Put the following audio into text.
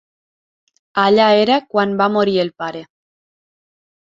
Allà era quan va morir el pare.